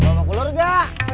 lo mau kelur nggak